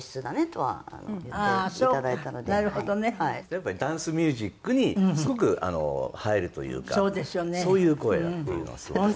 やっぱりダンスミュージックにすごく映えるというかそういう声だっていうのはすごく。